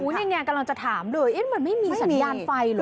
อู๋นี่กำลังจะถามเลยเหมือนไม่มีสัญญาณไฟหรอ